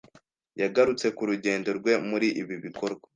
yagarutse ku rugendo rwe muri ibi bikorwa